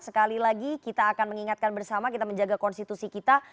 sekali lagi kita akan mengingatkan bersama kita menjaga konstitusi kita